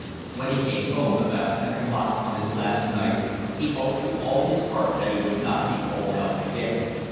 When he came home about ten o'clock on his last night he hoped with all his heart that he would not be called out again.